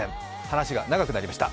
話が長くなりました。